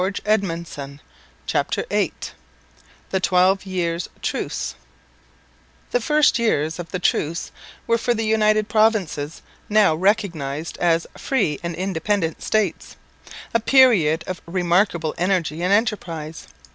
CHAPTER VIII THE TWELVE YEARS' TRUCE The first years of the truce were for the United Provinces, now recognised as "free and independent States," a period of remarkable energy and enterprise.